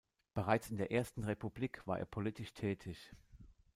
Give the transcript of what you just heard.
Bereits in der ersten Republik war er politisch tätig.